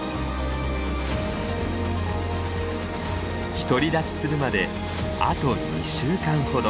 独り立ちするまであと２週間ほど。